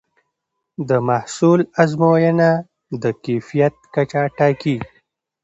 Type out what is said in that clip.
د محصول ازموینه د کیفیت کچه ټاکي.